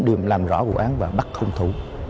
điều làm rõ vụ án và bắt không thủ